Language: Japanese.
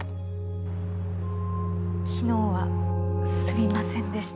昨日はすみませんでした。